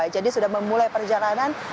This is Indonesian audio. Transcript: jadi sudah memulai perjalanan